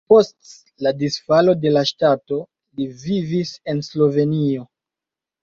Post la disfalo de la ŝtato li vivis en Slovenio.